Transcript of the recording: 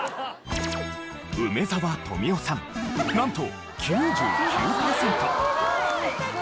梅沢富美男さんなんと９９パーセント。